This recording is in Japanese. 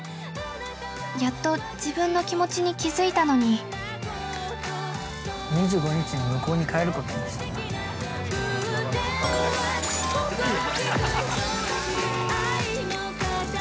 やっと自分の気持ちに気づいたのに、◆２５日に向こうに帰ることにしたんだ。